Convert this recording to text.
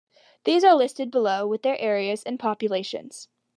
These are listed below with their areas and populations.